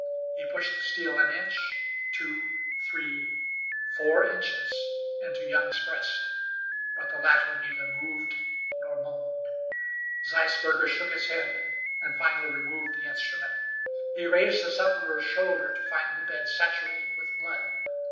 He pushed the steel an inch, two, three, four inches into Young's breast, but the latter neither moved nor moaned. Zeisberger shook his head, and finally removed the instrument. He raised the sufferer's shoulder to find the bed saturated with blood.